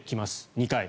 ２回。